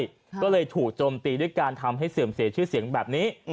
ก็เลยถูกโจมตีด้วยการทำให้เสื่อมเสียชื่อเสียงแบบนี้